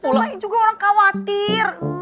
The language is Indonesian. pulang juga orang khawatir